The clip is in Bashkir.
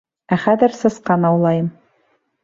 Ә хәҙер сысҡан аулайым.